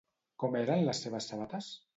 Com eren les seves sabates?